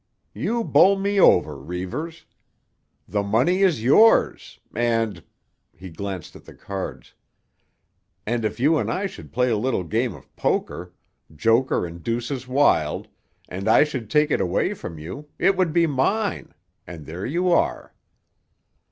"You bowl me over, Reivers. The money is yours; and—" he glanced at the cards "—and if you and I should play a little game of poker, joker and deuces wild, and I should take it away from you, it would be mine; and there you are."